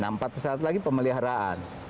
nah empat pesawat lagi pemeliharaan